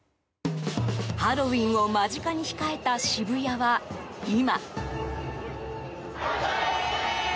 ハロウィーンを間近に控えた渋谷は、今。